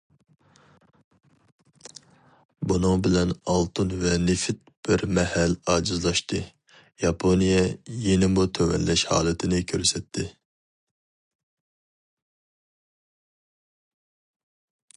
بۇنىڭ بىلەن ئالتۇن ۋە نېفىت بىر مەھەل ئاجىزلاشتى، ياپونىيە يېنىمۇ تۆۋەنلەش ھالىتىنى كۆرسەتتى.